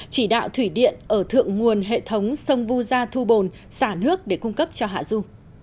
chỉ đạo thủy điện ở thượng nguồn hệ thống sông vu gia thu bồn xả nước để cung cấp cho hạ du